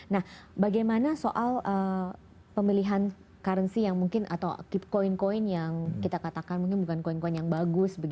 nah bagaimana soal pemilihan currency yang mungkin atau coin coin yang kita katakan mungkin bukan coin coin yang bagus